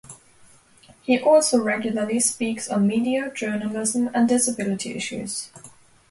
He also regularly speaks on media, journalism, and disability issues.